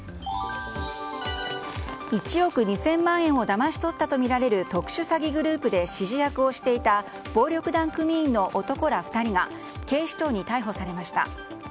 １億２０００万円をだまし取ったとみられる特殊詐欺グループで指示役をしていた暴力団組員の男ら２人が警視庁に逮捕されました。